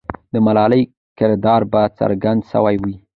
د ملالۍ کردار به څرګند سوی وي.